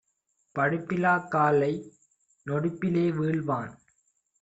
படிப்பிலாக் காலை நொடிப்பிலே வீழ்வான்!